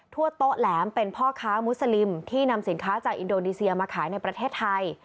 ทั่วโต๊ะแหลมเป็นพ่อค้ามุสลิมที่นำสินค้าจากอินโดนีเซียมาขายในประเทศไทย